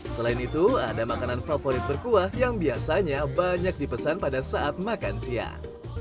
selain itu ada makanan favorit berkuah yang biasanya banyak dipesan pada saat makan siang